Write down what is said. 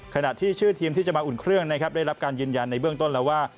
ขณะที่ชื่อทีมที่จะมาอุ่นเครื่องนะครับได้รับการยืนยันในเบื้องต้นแล้วว่า